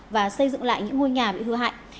và xây dựng lại những ngôi nhà bị hư hại